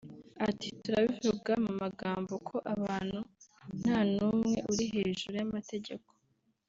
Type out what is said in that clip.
Ati “Turabivuga mu magambo ko abantu nta n’umwe uri hejuru y’amategeko